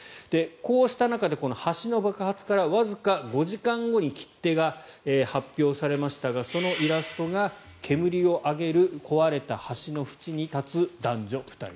こうした中で橋の爆発からわずか５時間後に切手が発表されましたがそのイラストが煙を上げる壊れた橋の縁に立つ男女２人。